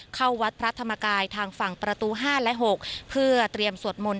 เข้าวัดพระธรรมกายทางฝั่งประตู๕และ๖เพื่อเตรียมสวดมนต์